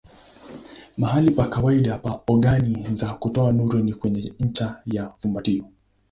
Mahali pa kawaida pa ogani za kutoa nuru ni kwenye ncha ya fumbatio.